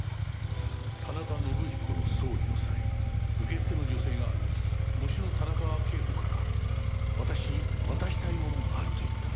田中伸彦の葬儀の際受付の女性が喪主の田中啓子から私に渡したいものがあると言った。